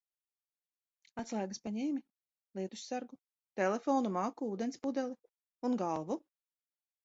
Atslēgas paņēmi? Lietussargu? Telefonu, maku, ūdens pudeli? Un galvu?